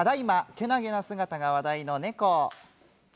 けなげな姿が話題の猫。